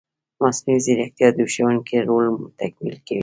مصنوعي ځیرکتیا د ښوونکي رول تکمیلي کوي.